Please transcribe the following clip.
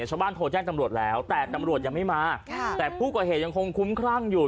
ชาวบ้านโทรแจ้งตำรวจแล้วแต่ตำรวจยังไม่มาค่ะแต่ผู้ก่อเหตุยังคงคุ้มครั่งอยู่